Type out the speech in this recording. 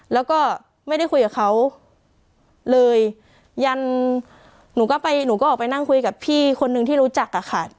แล้วก็ไม่ได้คุยกับเขาเลยยันหนูก็ไปหนูก็ออกไปนั่งคุยกับพี่คนนึงที่รู้จักอะค่ะ